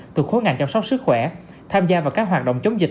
từ khối ngành chăm sóc sức khỏe tham gia vào các hoạt động chống dịch